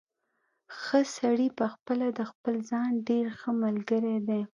ښه سړی پخپله د خپل ځان ډېر ښه ملګری دی.